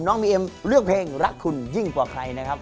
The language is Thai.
บีเอ็มเลือกเพลงรักคุณยิ่งกว่าใครนะครับ